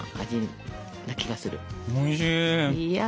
おいしい。